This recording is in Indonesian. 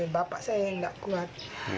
bapak saya yang tidak kuat